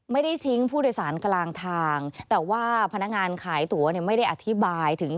ไม่ได้ทิ้งผู้โดยสารกลางทางแต่ว่าพนักงานขายตั๋วเนี่ยไม่ได้อธิบายถึง